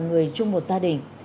người chung một gia đình